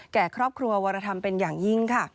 แก่ครอบครัววรธรรมเป็นอย่างยิ่งค่ะ